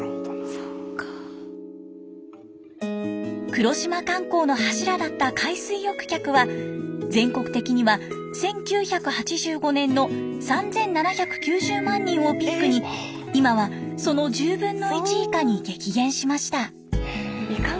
黒島観光の柱だった海水浴客は全国的には１９８５年の３，７９０万人をピークに今はその１０分の１以下に激減しました。